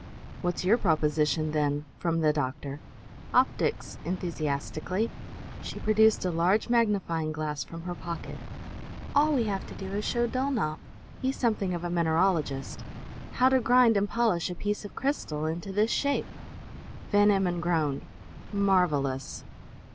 "What's your proposition, then?" from the doctor. "Optics!" enthusiastically. She produced a large magnifying glass from her pocket. "All we have to do is to show Dulnop he's something of a mineralogist how to grind and polish a piece of crystal into this shape!" Van Emmon groaned. "Marvelous!